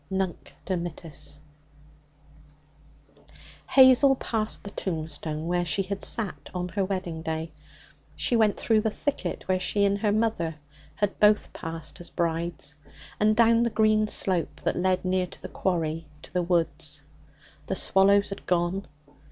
Nunc Dimittis. Hazel passed the tombstone where she had sat on her wedding day. She went through the wicket where she and her mother had both passed as brides, and down the green slope that led near the quarry to the woods. The swallows had gone.